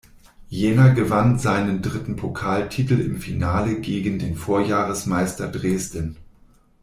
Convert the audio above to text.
Jena gewann seinen dritten Pokaltitel im Finale gegen den Vorjahresmeister Dresden.